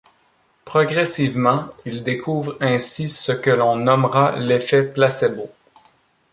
Progressivement, il découvre ainsi ce que l’on nommera l’effet placebo.